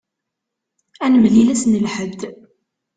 Ad nemlil ass n Lḥedd.